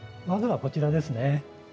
まずはこちらですね。